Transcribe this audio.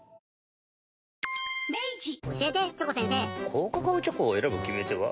高カカオチョコを選ぶ決め手は？